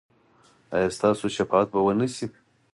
ایا ستاسو شفاعت به و نه شي؟